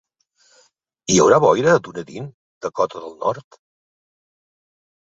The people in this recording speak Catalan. Hi haurà boira a Dunedin, Dakota del Nord?